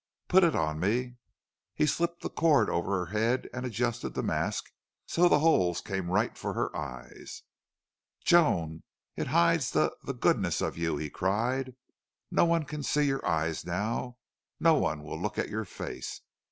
"Put it on me." He slipped the cord over her head and adjusted the mask so the holes came right for her eyes. "Joan, it hides the the GOODNESS of you," he cried. "No one can see your eyes now. No one will look at your face.